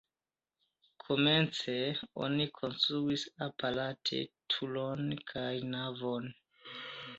Komence oni konstruis aparte turon kaj navon.